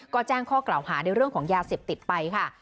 ก็แจ้งข้อกล่าวหาในเรื่องของยาเสพติดไปค่ะ